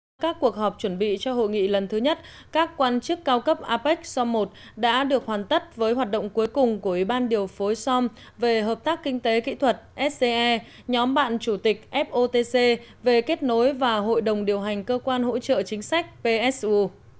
qua các cuộc họp chuẩn bị cho hội nghị lần thứ nhất các quan chức cao cấp apec som một đã được hoàn tất với hoạt động cuối cùng của ủy ban điều phối som về hợp tác kinh tế kỹ thuật sce nhóm bạn chủ tịch fotc về kết nối và hội đồng điều hành cơ quan hỗ trợ chính sách psu